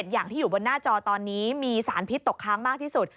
อย่างที่อยู่บนหน้าจอตอนนี้มีสารพิษตกค้างมากที่สุด